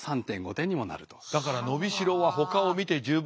だから伸びしろはほかを見て十分。